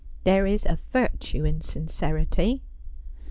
There is a virtue in sincerity.'